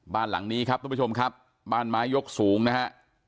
บ้านหลังนี้ครับทุกผู้ชมครับบ้านไม้ยกสูงนะฮะ